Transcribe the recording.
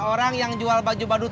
freempung bahasa generally